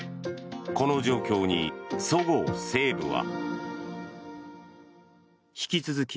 この状況にそごう・西武は。